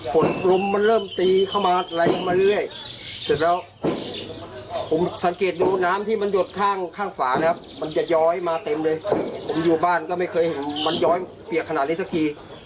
ลมมันเริ่มตีเข้ามาแรงมาเรื่อยเสร็จแล้วผมสังเกตดูน้ำที่มันหยดข้างข้างขวานะครับมันจะย้อยมาเต็มเลยผมอยู่บ้านก็ไม่เคยเห็นมันย้อยเปียกขนาดนี้สักที